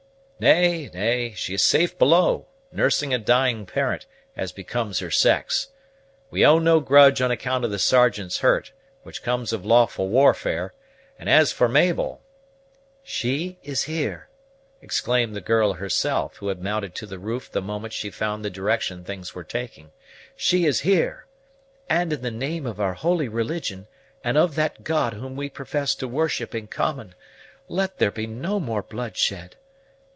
"Nay, nay, she is safe below, nursing a dying parent, as becomes her sex. We owe no grudge on account of the Sergeant's hurt, which comes of lawful warfare; and as for Mabel " "She is here!" exclaimed the girl herself, who had mounted to the roof the moment she found the direction things were taking, "she is here! And, in the name of our holy religion, and of that God whom we profess to worship in common, let there be no more bloodshed!